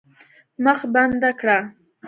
مخ بنده کړه.